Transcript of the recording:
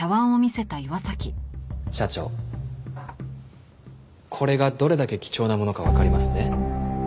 社長これがどれだけ貴重なものかわかりますね？